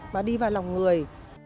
mà đi vào lòng người